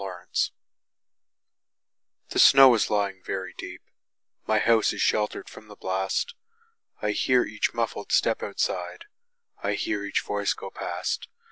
Convention THE SNOW is lying very deep.My house is sheltered from the blast.I hear each muffled step outside,I hear each voice go past.